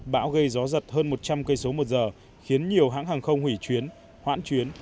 bão gây gió giật hơn một trăm linh cây số một giờ khiến nhiều hãng hàng không hủy chuyến hoãn chuyến